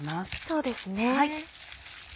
そうですね。